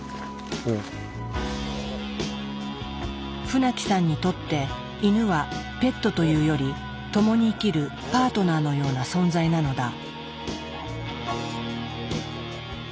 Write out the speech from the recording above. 船木さんにとってイヌはペットというより共に生きるパートナーのような存在なのだ。